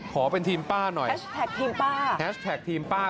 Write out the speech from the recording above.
ขอเป็นทีมป้าหน่อยทีมป้าแฮชแทคทีมป้า